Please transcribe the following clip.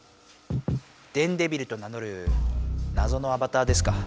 電デビルと名のるなぞのアバターですか。